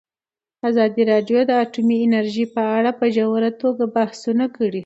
ازادي راډیو د اټومي انرژي په اړه په ژوره توګه بحثونه کړي.